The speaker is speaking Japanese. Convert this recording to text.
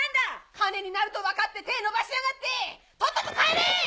金になると分かって手伸ばしやがってとっとと帰れ！